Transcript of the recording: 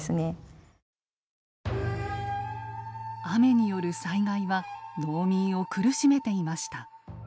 雨による災害は農民を苦しめていました。